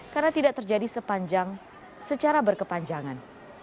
karena tidak terjadi secara berkepanjangan